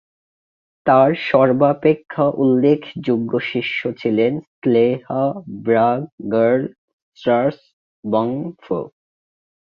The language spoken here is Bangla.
তার সর্বাপেক্ষা উল্লেখযোগ্য শিষ্য ছিলেন ল্হো-ব্রাগ-র্গ্যাল-স্রাস-ব্জাং-পো